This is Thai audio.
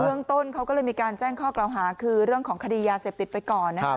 เรื่องต้นเขาก็เลยมีการแจ้งข้อกล่าวหาคือเรื่องของคดียาเสพติดไปก่อนนะครับ